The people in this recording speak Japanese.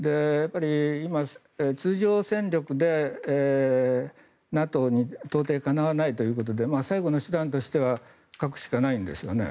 今、通常戦力でＮＡＴＯに到底かなわないということで最後の手段としては核しかないんですね。